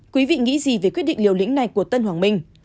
quý vị nghĩ gì về quyết định liều lĩnh này của tân hoàng minh